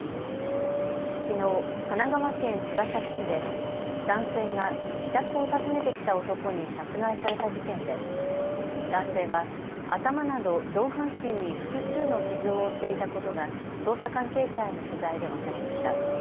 きのう神奈川県茅ヶ崎市で男性が自宅を訪ねてきた男に殺害された事件で男性は頭など上半身に複数の傷を負っていたことが捜査関係者への取材で分かりました。